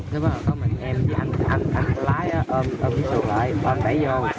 thế bắt đầu có mình em anh anh lái á ôm cái xuồng lại ôm đẩy vô